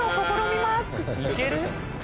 いける？